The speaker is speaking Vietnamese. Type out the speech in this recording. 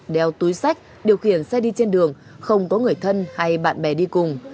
đeo túi sách điều khiển xe đi trên đường không có người thân hay bạn bè đi cùng